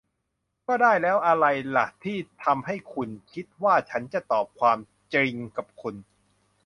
ก็ได้ แล้วอะไรล่ะที่ทำให้คุณคิดว่าฉันจะตอบความจริงกับคุณ